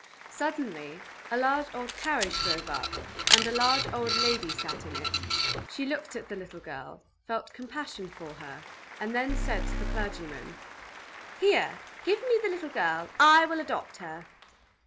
Suddenly a large old carriage drove up, and a large old lady sat in it: she looked at the little girl, felt compassion for her, and then said to the clergyman: "Here, give me the little girl. I will adopt her!"